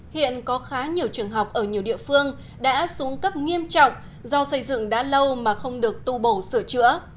hiện có khá nhiều trường học ở nhiều địa phương đã xuống cấp nghiêm trọng do xây dựng đã lâu mà không được tu bổ sửa chữa